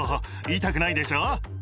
痛くないでしょ？